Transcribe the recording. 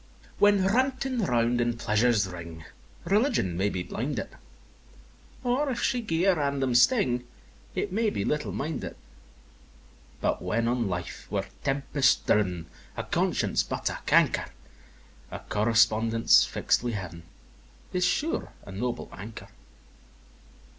X. When ranting round in pleasure's ring, Religion may be blinded; Or if she gie a random sting, It may be little minded; But when on life we're tempest driv'n, A conscience but a canker A correspondence fix'd wi' Heav'n Is sure a noble anchor!